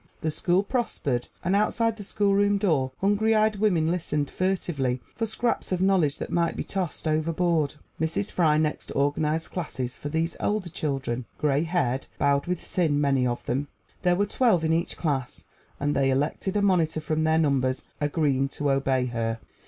The school prospered, and outside the schoolroom door hungry eyed women listened furtively for scraps of knowledge that might be tossed overboard. Mrs. Fry next organized classes for these older children, gray haired, bowed with sin many of them. There were twelve in each class, and they elected a monitor from their numbers, agreeing to obey her.